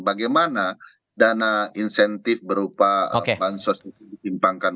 bagaimana dana insentif berupa bansos itu ditimpangkan